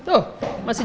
didehik paham langsung